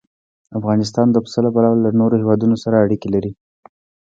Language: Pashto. افغانستان د پسه له پلوه له نورو هېوادونو سره اړیکې لري.